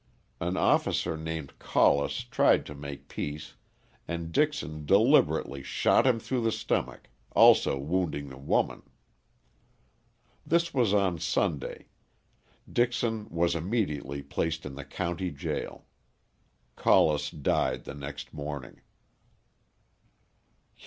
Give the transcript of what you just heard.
An officer named Collis tried to make peace and Dixon deliberately shot him through the stomach, also wounding the woman. This was on Sunday. Dixon was immediately placed in the county jail. Collis died the next morning.